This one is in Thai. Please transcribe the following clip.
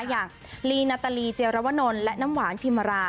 อย่างลีนาตาลีเจรวนลและน้ำหวานพิมรา